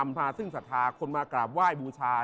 ย่อมนำมาซึ่งสะทานทางคนมากราบว่ายบูชา